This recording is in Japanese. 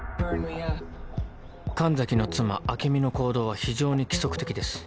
神崎の妻朱美の行動は非常に規則的です。